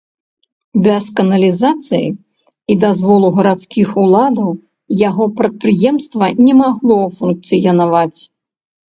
Без каналізацыі і дазволу гарадскіх уладаў яго прадпрыемства не магло функцыянаваць.